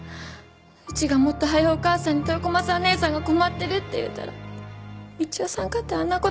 うちがもっと早うお母さんに豊駒さん姉さんが困ってるって言うたら道夫さんかてあんなことには。